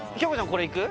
これいく？